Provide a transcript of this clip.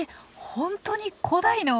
本当に古代の？